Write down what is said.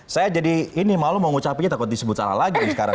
saya jadi ini malu mau ngucapinnya takut disebut salah lagi nih sekarang